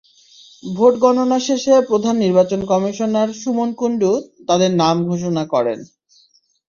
Vote গণনা শেষে প্রধান নির্বাচন কমিশনার সুমন কুণ্ডু তাঁদের নাম ঘোষণা করেন।